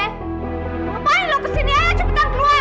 ngapain lo kesini aja cepetan keluar